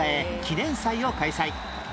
記念祭を開催